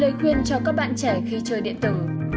lời khuyên cho các bạn trẻ khi chơi điện tử